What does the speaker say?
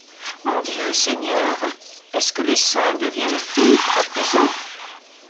Mon Dieu Seigneur, est-ce que les saints deviennent fous à présent?